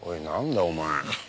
なんだお前？